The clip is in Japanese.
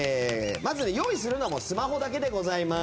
まず用意するのもスマホだけでございます。